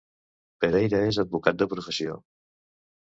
Pereira és advocat de professió.